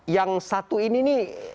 yang satu ini nih